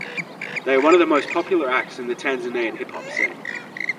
They are one of the most popular acts in the Tanzanian hip hop scene.